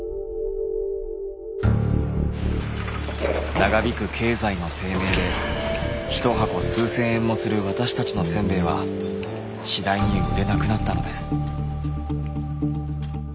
長引く経済の低迷で一箱数千円もする私たちのせんべいは次第に売れなくなったのです。